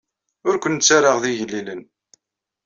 Ur ken-ttarraɣ d igellilen.